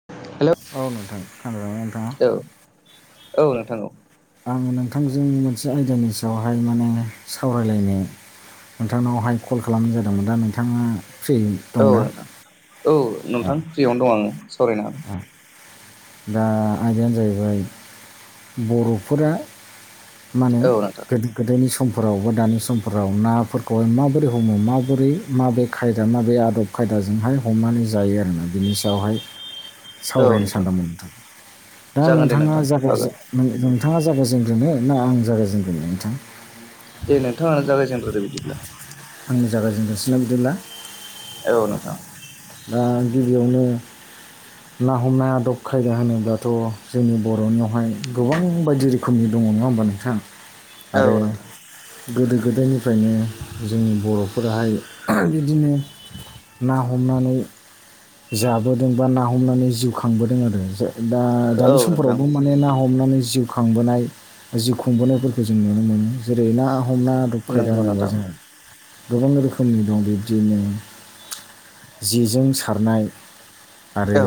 [unintelligible] औ नोंथां खोनादोंना नोंथाङा? औ औ नोंथां औ। आङो नोंथांजों मोनसे आयदानि सायावहाय माने सावरायलायनो नोंथांनावहाय कल खालामनाय जादोंमोन दा नोंथाङा फ्रियै औ नोंथां औ नोंथां फ्रियावनो दं आङो सावरायनो हागोन। दा आयदायानो जाहैबाय बरफोरा मानो हागोन औ नोंथां गोदो गोदोनि समफोराव बा दानि समफोराव नाफोरखौहाय माबोरै हमो माबोरै माबे खायदा माबे आदब खायदाजोंहाय हमनानै जायो आरोना बिनि सायावहाय औ सावरायनो नोंथां सानदोंमोन। नोंथां दा जागोन दे नोंथाङा नोंथां हागोन जागायजे नों नोंथाङा जागाय जेनग्रोनो ना आं जागाय जेनग्रोनो नोंथां? दे नोंथाङानो जागायजेनग्रोदो बिदिब्ला। आंनो जायगायजेनग्रोनोसै ना बिदिब्ला? औ नोंथां। दा गिबियावनो ना हमनाय आदब खायदा होनोब्लाथ' जोंनि बर'नियावहाय गोबां बायदि रो खोमनि दङ नङा होमबा नोंथां? आरो औ नोंथां गोदो गोदायनिफ्रायनो जोंनि बर'फोराहाय बिदिनो ना हमनानै जाबोदों बा ना हमनानै जिउ खांबोदों आरो दा औ दानि नोंथां समफोरावबो माने ना हमनानै जिउ खांबोनाय जिउ खुंबोनायफोरखौ जों नुनो मोनो जेरै ना हमना आदब खायदा नंगौ होनोबा नोंथां जोंङो गोबां रोखोमनि दं बिब्दिनो जेजों सारनाय आरो औ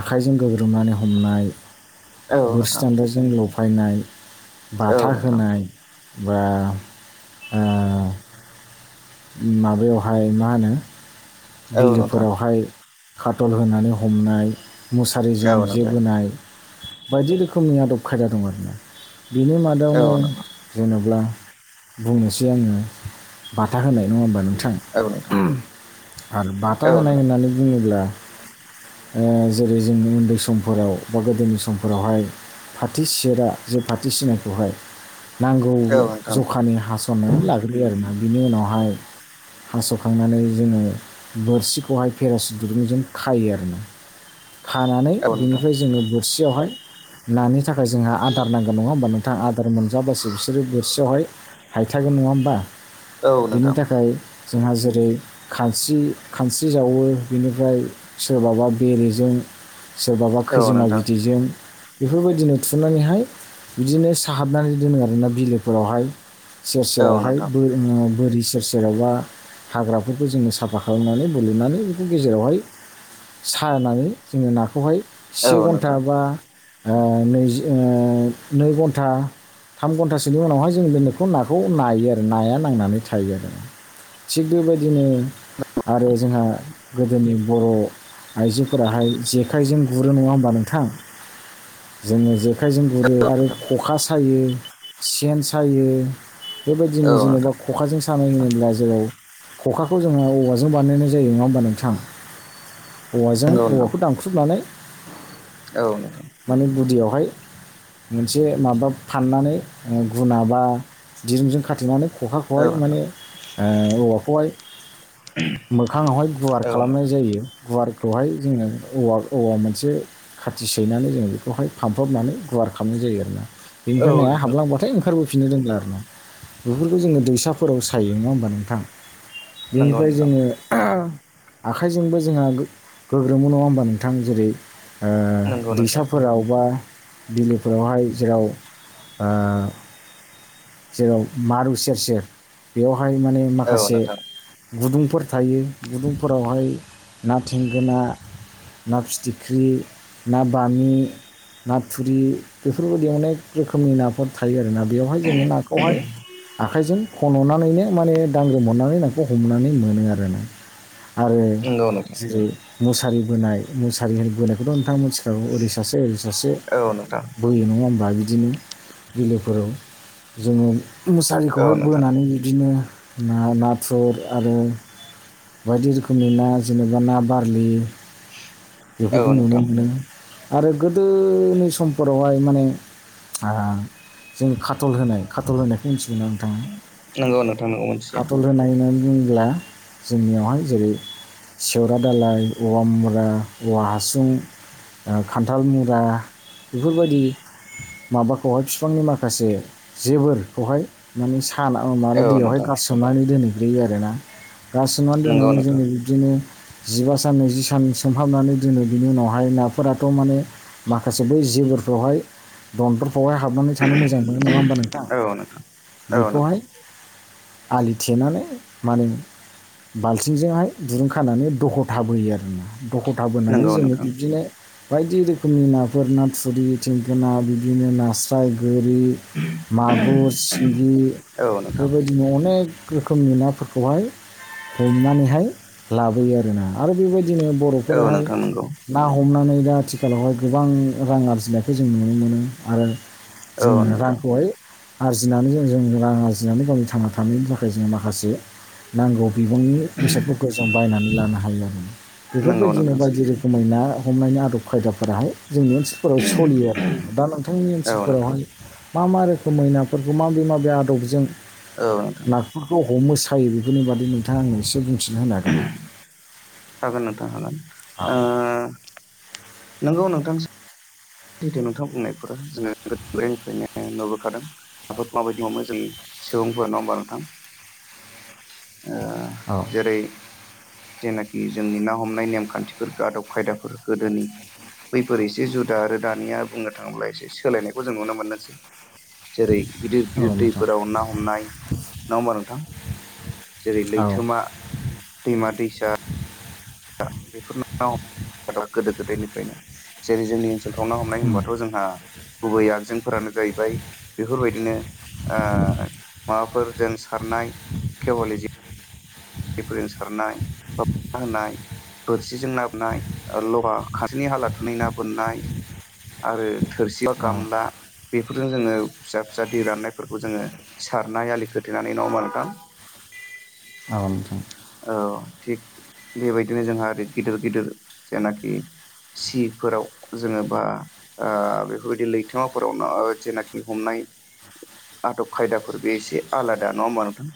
आखाइजों गोग्रोमनानै हमनाय औ नोंथां बोरसि बान्थाजों जों लफायनाय औ बाथा नोंथां औ नोंथां होनाय बा ओ माबायावहाय मा होनो औ नोंथां औ नोंथां औ नोंथां औ बिलोफोरावहाय खाथल होनानै हमनाय मुसारिजों जे नोंथां बोनाय बायदि रोखोमनि आदब खायदा दं आरोना बिनि औ मादायावनो जेनब्ला बुंनोसै आङो हा होनाय नङा होमबा नोंथां? औ नोंथां। आरो बाथा होनाय होननानै बुङोब्ला ओ जेरै जों उन्दै समफोराव बा गोदोनि समफोरावहाय फाथो सेरा जे फाथै सिनाखौहाय नांगौ औ नोंथां औ नोंथां जखानि हास'नानै लाग्रोयो आरोना बिनि उनावहाय हास'खांनानै जोङो बोरसिखौहाय पेरासिटुलजों खायो आरो ना। खानानै बिनिफ्राय जोङो बोरसियावहाय नानि थाखाय जोंहा आदार नांगौ नङा होमबा नोंथां आदार मोनजाब्लाासो बिसोरो बोरसियावहाय हायथागोन नङा होमबा? औ नोंथां औ बेनि थाखाय जोंहा जेरै खानस्रि खानस्रि जावो बेनिफ्राय सोरबाबा बेरेजों सोरबाबा खैजिमा नोंथां बिदैजों बेफोरबायदिनो थुनानैहाय बिदिनो साहाबनानै दोनो आरोना बिलोफोरावहाय सेर सेरावहाय बोरमोन बोरि सेर सेरावबा हाग्राफोरखौ जोङो साफा खालामनानै बलुनानै बेखौ गेजेरावहाय सानानै जोङो नाखौहाय औ से घन्टा बा ओ नैजि ओ नै घन्टा थाम घन्टासोनि उनावहाय जों बेखौ नाखौ नायो आरो नाया नांनानै थायो आरो थिग बेबायदिनो आरो जोंहा गोदोनि बर' आइजोफोराहाय जेखाइजों गुरो नङा होमबा नोंथां जोङो जे आखाइजों गुरो आरो नोंथां खखा सायो सेन सायो औ बेबायदिनो जेनेबा नोंथां खखाजों सानाय होनोब्ला जेराव खखाखौ जोङो औवाजों बानायनाय जायो नङा होमबा नोंथां? औवाजों नंगौ नोंथां औवाखौ दानख्रुबनानै औ नोंथां। माने गुदियावहाय मोनसे माबा फाननानै ओ गुना बा दिरुंजों खाथेनानै खखा औ खौहाय नोंथां माने ओ औवाखौहाय मोखाङावहाय गुवार औ खालामनाय नोंथां जायो गुवारखौहाय जोङो औवा औवा मोनसे खाथि सैनानै जों बेखौहाय फानफबनानै गुवार खालामनाय जायो आरोना बेनिफ्राय औ नाया नोंथां हाबलांबाथाय ओंखारबोफिननो रोंला आरो ना बेफोरखौ जोङो दै फोराव सायो नङा होमबा नोंथां नंगौ बेनिफ्राय नोंथां जोङो आखाइजोंबो जोंहा गो गोग्रोमो नङा होमबा नोंथां जेरै ओ नंगौ नोंथां दैसाफोराव बा बिलोफोरावहाय जेराव ओ जेराव मारु सेर सेर बेयावहाय माने औ माखासे नोंथां गुदुंफोर थायो गुदुंफोरावहाय ना थेंगोना ना फिथिख्रि ना बामि नाथुरि बेफोरबायदि अनेक रोखोमनि नाफोर थायो आरोना बेयावहाय जोङो नाखौहाय आखाइजों खननानैनो माने दांग्रोमहरनानै नाखौ हमनानै मोनो आरो ना आरो नंगौ नोंथां जेरै मुसारि बोनाय मुसारि होन बोनायखौथ' नोंथाङा मिथिखागौ ओरै सासे ओरै सासे औ नोंथां बोयो नङा होमबा बिदिनो बिलोफोराव जोङो औ मुसारिखौहाय नोंथां बोनानै बिदिनो ना नाथुर आरो बायदि रोखोमनि ना जेनेबा ना बारलि औ बेफोरखौ नुनो नोंथां मोनो आरो गोदोनि समफोरावहाय माने आं जों खाटल होनाय खाथल होनायखौ मिथिगौ आं नोंथाङा नंगौ नोंथां नंगौ मोनथियो खाटल होनाय होननानै बुङोब्ला जोंनियावहाय जेरै सेवरा दालाय औवा मुरा औवा हासुं खान्थाल मुरा बेफोरबायदि माबाखौहाय बिफांनि माखासे जेबोरखौहाय माने साना औ माने दैयावहाय नोंथां गारसोमनानै दोनहैग्रोयो आरोना गारसोमनानै नंगौ दोननानै नोंथां जोंनि बिदिनो जिबा सान नैजि सान सोमहाबनानै दोनो बिनि उनावहाय नाफोराथ' माने माखासे बै जेबोरफ्रावहाय दनदरफ्रावहाय हाबनानै थानो मोजां मोनो नङा होमबा नोंथां औ नोंथां औ नोंथां खौहाय आलि थेनानै माने बाल्थिंजोंहाय दुरुं खानानै दख'थाबोयो आरोना दख'था बोनानै नंगौ जोङो नोंथां बिब्दिनो बायदि रोखोमनि नाफोर ना थुरि थेंगोना बिदिनो नास्राय गोरि औ मागुर सिंगि नोंथां बेबायदिनो अनेक रोखोमनि नाफोरखौहाय हमनानैहाय लाबोयो आरो ना आरो बेबायदिनो औ बर'फोराहाय नोंथां नंगौ ना हमनानै दा आथिखालावहाय गोबां रां आरजिनायखौ जों नुनो मोनो आरो औ जोङो नोंथां रांखौहाय आरजिनानै जों जोंनि रां आरजिनानै गावनि थांना थानायनि थाखाय जोङो माखासे नांगौ बिबुंनि बेसादफोरखौ जों बायनानै लानो हायो। नंगौ बेफोरबायदिनो नोंथां बायदि सैथो रोखोमै ना हमनायनि आदब खायदाफोराहाय जोंनि ओनसोलफोराव सलियो आरो। दा नोंथांनि औ नोंथां ओनसोलफोरावहाय मा मा रोखोमै नाफोरखौ माबे माबे आदबजों औ नोंथां बेफोरखौ हमो सायो बेफोरनि बादि नोंथाङा आंनो एसे बुंथिनो होनो हागोन ना हागोन नोंथां हागोन औ नोंगौ नोंथां जिथु नोंथां बुंनायफोरा जोङो गोदोनिफ्रायनो नुबोखादों नाफोरखौ माबायदि हमो जों सुबुंफोरा नङा होमबा नोंथां ओ जेरै जेनाखि जोंनि ना हमनाय नेमखान्थिफोरखो आदब खायदाफोर गोदोनि बैफोरो एसे जुदा आरो दानिया बुंनो थाङोब्ला एसे सोलायनायखौ जों नुनो। जेरै गिदिर गिदिर दैफोराव ना हमनाय नङा होमबा नोंथां। जेरै औ लैथोमा औ दैमा दैसा बेफोर [unintelligible] गोदो गोदायनिफ्रायनो जेरै जोंनि ओनसोल खावना हमनाय नोंथां होनबाथ' जोंहा गुबै आगजेंफोरानो जाहैबाय बेफोरबायदिनो ओ माबाफोर जों सारनाय खेवालि जे फोरजों सारनाय बा [unintelligible] होनाय। बोरसिजों ना बोननाय लहा [unintelligible] हालाथुनै ना बोननाय। आरो थोरसि बा औ गामला बेफोरजों जोङो फिसा फिसा दै राननायफोरखौ जोङो सारनाय आलि खोथेनानै नङा होमबा नोंथां। औ नोंथां। औ थिग बेबायदिनो जोंहा ओरै गिदिर गिदिर जेनाखि सिफोराव जोङो बा ओ बेफोरबायदि लैथोमाफोरावनो जेनाखि हमनाय आदब खायदाफोर बे एसे आलादा नङा होमबा नोंथां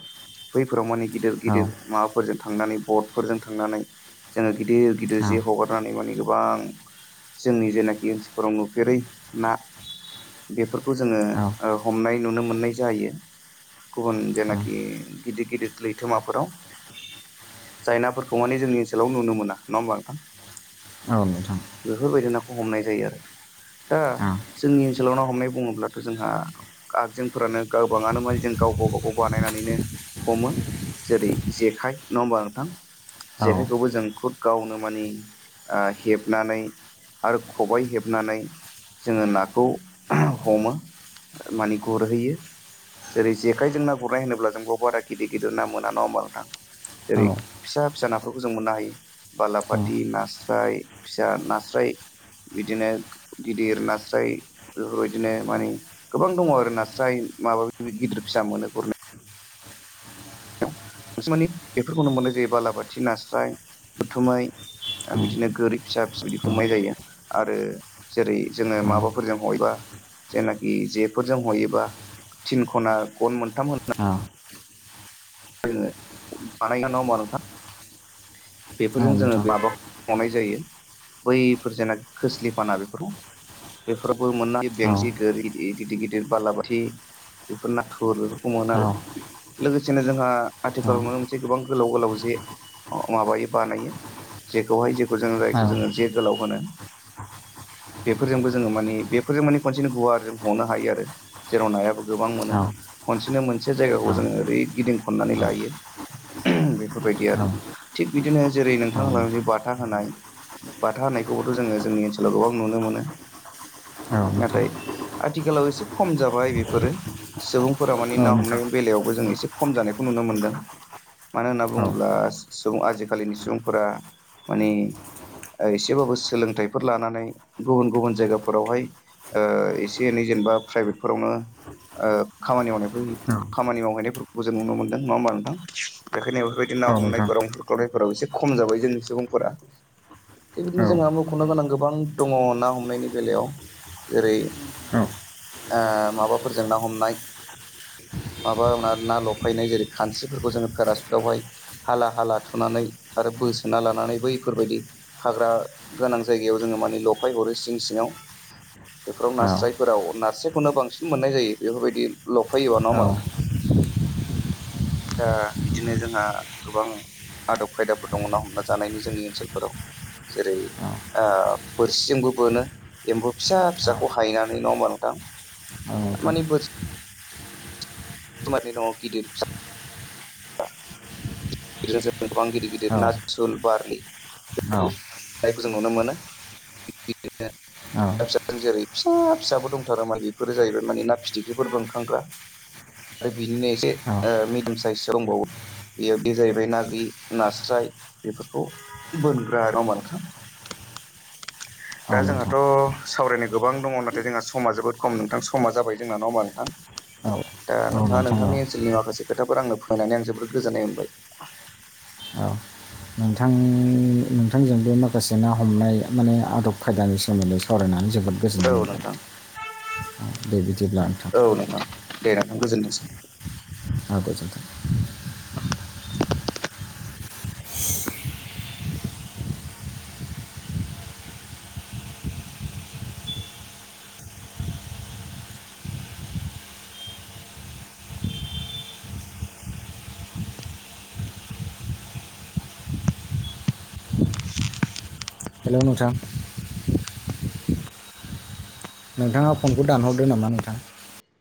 बैफोराव माने गिदिर गिदिर माबाफोरजों थांनानै बटफोरजों थांनानै जोङो गिदिर गिदिर जे औ हगार नानै माने गोबां जोंनि जेनाखि ओनसोलफोराव नुफेरै ना। बेफोरखौ जोङो औ ओ हमनाय नुनो मोननाय जायो गुबुन जेनाखि गिदिर गिदिर लैथोमाफोराव। जाय नाफोरखौ माने जोंनि ओनसोलाव नुनो मोना नङा होमबा नोंथां। औ नोंथां। बेफोरबायदि नाखौ हमनाय जायो आरो। दा औ जोंनि ओनसोलाव ना हमनाय बुङोब्लाथ' जोंहा आगजोंफोरानो गोबाङानो माने जों गाव गाव गाबागाव बानायनानैनो हमो जेरै जेखाइ नङा होमबा नोंथां औ जेखाइखौबो जों खुद गावनो मानि ओ हेबनानै आरो खबाइ हेबनानै जोङो नाखौ हमो माने गुरहैयो। जेरै जेखाइजों ना गुरनाय होनोब्ला बेयाव बारा गिदिर गिदिर ना मोना नङा होमबा नों थां जेरै फिसा फिसा नाफोरखौ जों मोननो हायो। बाला फाथि नास्राय फिसा नास्राय बिदिनो गिदिर नास्राय। बेफोरबायदिनो मानि गोबां दङ आरो नास्राय माबा गिदिर फिसा मोनो गुरनो। नोंसोमानि बेफोरखौनो मोननाय जायो बालाबाथि नास्राय। उथुमै आरो बिदिनो गोरि फिसा फिस बिदि खमनाय जायो आरो जेरै जोङो माबाफोरजों हयोबा जेनाखि जेफोरजों हयोबा थिन खना गन मोनथाम होना औ नोंथां औ नोंथां औ नोंथां औ नोंथां औ नोंथां औ दा जोङो बानायगोन नङा होनबा नोंथां बेफोरजों जोङो लाबाव मावनाय जायो बैफोर जेना खोस्लिफाना बेफोराव बेफोरबो मोना बेंसि गोरदि [unintelligible] गिदिर - गिदिर बालाबाथि बेफोर नाथुर बेफोरखौ मोनो आरो लोगोसेनो जों [unintelligible] ओ आथिखालाव नुनो मोनसै गोबां गोलाव - गोलाव जे माबायो बानायो जेखौहाय ज खौ जों जायखौ जोंङो जे गोलाव होनो। बेफोरजोंबो जोङो मानि बेफोरजों माने खनसेनो गुवार जों हनो हायो आरो। जेराव नायाबो गोबां मोनो खनसेनो मोनसे जायगाखौ जोङो ओरै गिदिं खननानै लायो‌‌। बेफोरबायदि आरो थिग बिदिनो जेरै नोंथां होनलांनाय बाथा होनाय। बाथा होनायखौबोथ' जोङो जोंनि ओनसोलाव गोबां नुनो मोनो। नाथाय आथिखालाव एसे खम जाबाय बेफोरो। सुबुंफोरा माने ना हमनायनि बेलायावबो जों एसे खम जानायखौ नुनो मोन्दों। मानो होनना बुङोब्ला सुबुं आजिखालिनि सुबुंफोरा माने ओ एसेबाबो सोलोंथाइफोर लानानै गुबुन - गुबुन जायगाफोरावहाय एसे एनै जेनेबा प्राइभेटफोरावनो ओ खामानि मावनाय खामानि मावहैनायफोरखौ जों नुनो मोनो। नंङा होनबा नोंथां। बेनिखायनो बेफोरबायदि ना हमनाय गरं फारानायफोराव एसे खम जाबाय जोंनि सुबुंफोरा थिग बिदिनो जोंहा मख'नो गोनां गोबां दङ ना हमनायनि बेलायाव जेरै ओ माबाफोरजों ना हमनाय माबा ना लफायनाय जेरै खानस्रिफोरखौ जोङो पेरासुटावहाय हाला हाला थुनानै आरो बोसोना लानानै बैफोरबायदि हाग्रा गोनां जायगायाव जोङो माने लफाय हरो सिं सिङाव बेफोराव नास्रायफोराव नास्रायखौनो बांसिन मोननाय जायो बेफोरबायदि लफायोबा नङा होमबा नोंथां। आ बिदिनो जोंहा गोबां आदब खायदाफोर दङ ना हमना जानायनि जोंनि ओनसोलफोराव जेरै ओ बोरसिजोंबो बोनो एम्फौ फिसा - फिसाखौ हायनानै नङा होमबा नोंथां। औ नोंथां। माने बोरसि [unintelligible] गिदिर फिसा [unintelligible] गिदिर जों गोबां गिदिर गिदिर नाजुल बारलि जायखौ जों नुनो मोनो [unintelligible] [unintelligible] जेरै फिसा फिसाबो दंथारो मा बेफोरो जाहैबाय माने ना फिथिख्रिफोरबो बोनखांग्रा बिनिनो एसे ओ मिडियाम [unintelligible] साइजसो दंबावो बेयो बे जाहैबाय ना गोरि नास्राय बेफोरखौ बोनग्रा नङा होमबा नोथां। दा औ नोंथां जोंहाथ' सावरायनो गोबां दङ नाथाय जोंहा समा जोबोद खम नोंथां समा जाबाय जोंना नङा होमबा नोंथां। औ दा औ नोंथाङा नोंथां औ नोंथांनि ओनसोलनि मासे खोथाफोर आनो फोरमायनानै आं जोबोद गोजोननाय मोनबाय औ नोंथां नोंथांजों बे माखासे ना हमनाय माने आदब खायदानि सोमोन्दै सावरायनानै जोबोद गोजोननाय औ मोनबाय नोंथां दे बिदिब्ला नोंथां। औ नोंथां। दे नोंथां गोजोनथोंसै। औ गोजोनथों। हेल' नोंथां। नोंथाङा फनखौ दानहरदो नामा नोंथां।